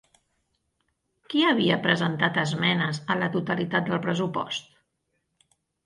Qui havia presentat esmenes a la totalitat del pressupost?